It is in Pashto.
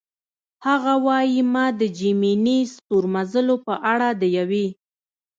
هغه وايي: "ما د جیمیني ستورمزلو په اړه د یوې.